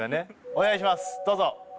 お願いしますどうぞ！